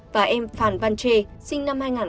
và em phàn văn trê sinh năm hai nghìn một mươi bốn